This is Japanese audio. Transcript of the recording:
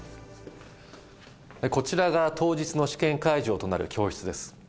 こちらが当日の試験会場となる教室です。